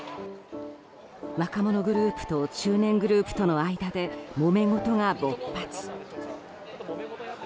若者グループと中年グループとの間でもめ事が勃発。